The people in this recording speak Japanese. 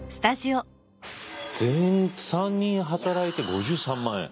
全員３人働いて５３万円。